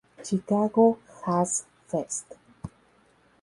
Chicago Jazz Fest.